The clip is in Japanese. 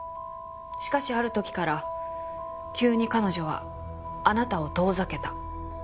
しかしある時から急に彼女はあなたを遠ざけた。